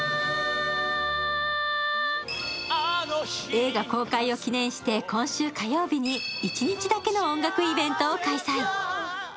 映画公開を記念して今週火曜日に一日だけの音楽イベントを開催。